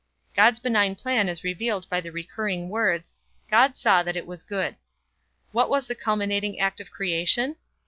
God's benign plan is revealed by the recurring words: "God saw that it was good." What was the culminating act of creation?